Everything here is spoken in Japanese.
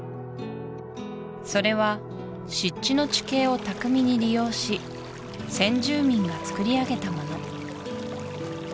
それは湿地の地形を巧みに利用し先住民がつくりあげたもの